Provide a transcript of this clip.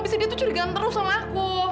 abis itu dia tuh curigaan terus sama aku